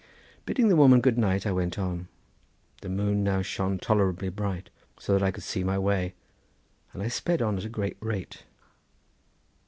Bidding the woman good night, I went on. The moon now shone tolerably bright, so that I could see my way, and I sped on at a great rate.